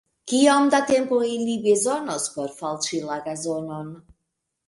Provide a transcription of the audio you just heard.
Kiom da tempo ili bezonos por falĉi la gazonon?